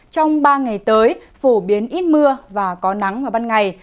trong ba ngày tới phổ biến ít mưa và có nắng vào ban ngày